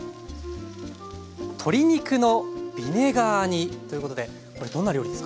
鶏肉のビネガー煮ということでこれどんな料理ですか？